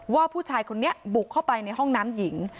ว่าผู้ชายคนนี้บุกเข้าไปในห้องน้ำหญิง